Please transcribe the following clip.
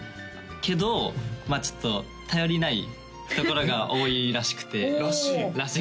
けどまあちょっと頼りないところが多いらしくてらしい？